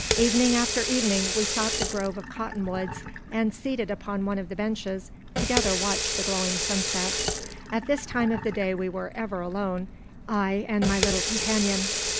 Evening after evening we sought the grove of cotton woods, and, seated upon one of the benches, together watched the glowing sunset. At this time of the day we were ever alone, I and my little companion.